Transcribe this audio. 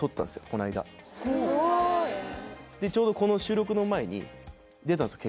この間すごいちょうどこの収録の前に出たんですよ